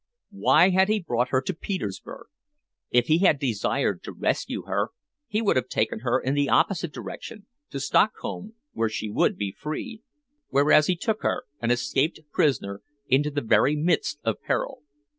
Why had he brought her to Petersburg? If he had desired to rescue her he would have taken her in the opposite direction to Stockholm, where she would be free whereas he took her, an escaped prisoner, into the very midst of peril.